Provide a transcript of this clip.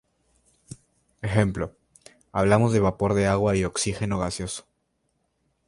Ejemplo: Hablamos de vapor de agua y oxígeno gaseoso.